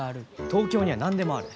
東京には何でもある。